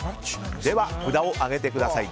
では札を上げてください。